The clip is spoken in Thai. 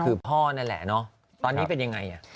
คือพ่อนั่นแหละเนอะตอนนี้เป็นยังไง